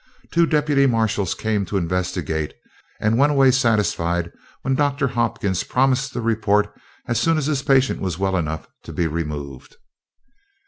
Two deputy marshals came to investigate, and went away satisfied when Doctor Hopkins promised to report as soon as his patient was well enough to be removed.